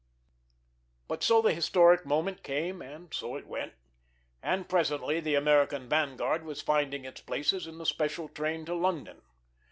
But so the historic moment came, and so it went. And presently the American vanguard was finding its places in the special train to London.